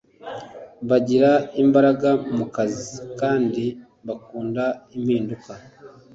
bagira imbaraga mu kazi kandi bakunda impinduka